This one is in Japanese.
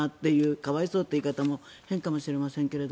可哀想という言い方も変かもしれませんが。